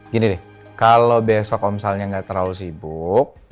gini deh kalau besok om salnya gak terlalu sibuk